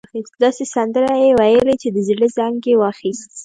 داسې سندرې يې وويلې چې د زړه زنګ يې واخيست.